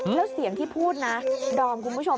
แล้วเสียงที่พูดนะดอมคุณผู้ชม